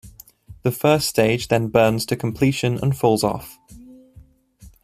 The first stage then burns to completion and falls off.